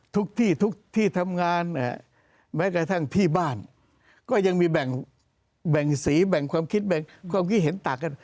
ทุกที่ทุกที่ทำงานแม้กระทั่งที่บ้านก็ยังมีแบ่งสีแบ่งความคิดแบ่งความคิดเห็นต่างกัน